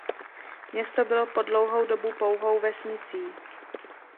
Město bylo po dlouhou dobu pouhou vesnicí.